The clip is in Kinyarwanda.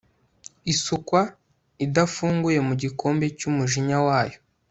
isukwa idafunguye mu gikombe cy umujinya wayo